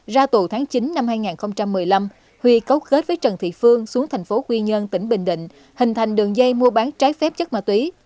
ra tù tháng chín năm hai nghìn một mươi năm huy cấu kết với trần thị phương xuống thành phố quy nhơn tỉnh bình định hình thành đường dây mua bán trái phép chất ma túy